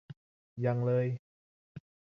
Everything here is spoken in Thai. ยังเลย